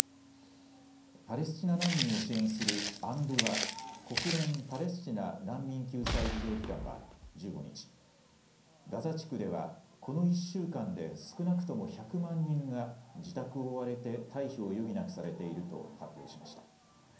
パレスチナ難民を支援するＵＮＲＷＡ・国連パレスチナ難民救済事業機関は１５日、ガザ地区ではこの１週間で少なくとも１００万人が自宅を追われて退避を余儀なくされていると発表しました。